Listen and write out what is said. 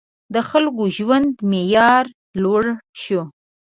• د خلکو د ژوند معیار لوړ شو.